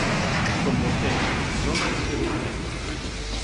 Compostela, Roma e Xerusalén.